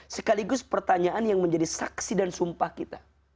sekaligus pertanyaan yang menjadi saksi dan sumpah kita